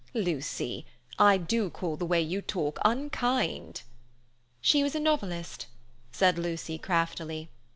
"Lucy, I do call the way you talk unkind." "She was a novelist," said Lucy craftily.